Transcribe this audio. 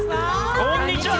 こんにちは！